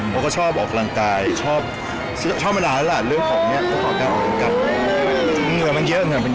เพราะคุณก็ชอบออกกำลังกาย